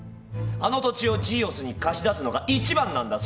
あの土地をジーオスに貸し出すのが一番なんだ。